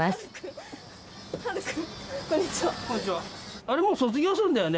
あれもう卒業するんだよね？